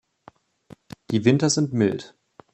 Die Winter sind mild.